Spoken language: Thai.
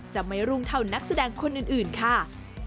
จะไม่รุ่งเท่านักแสดงคนอื่นค่ะ